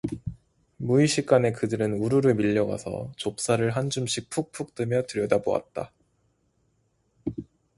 무의식간에 그들은 우르르 밀려가서 좁쌀을 한 줌씩 푹푹 뜨며 들여다보았다.